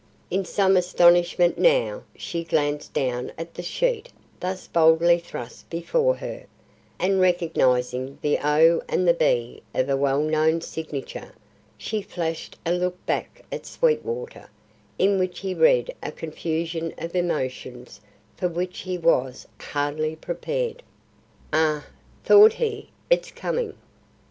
In some astonishment now, she glanced down at the sheet thus boldly thrust before her, and recognising the O and the B of a well known signature, she flashed a look back at Sweetwater in which he read a confusion of emotions for which he was hardly prepared. "Ah," thought he, "it's coming.